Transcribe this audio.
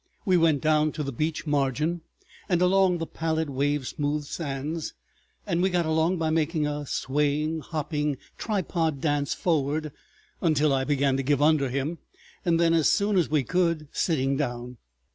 We went down to the beach margin and along the pallid wave smoothed sands, and we got along by making a swaying, hopping, tripod dance forward until I began to give under him, and then, as soon as we could, sitting down.